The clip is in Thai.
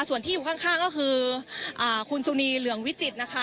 ส่วนที่อยู่ข้างก็คือคุณสุนีเหลืองวิจิตรนะคะ